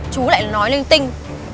chú lại nói lưng tinh